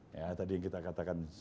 ya tadi yang kita katakan